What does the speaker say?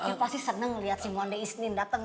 ya pasti seneng liat si mwande isnin dateng